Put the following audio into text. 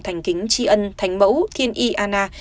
thành kính tri ân thành mẫu thiên y an na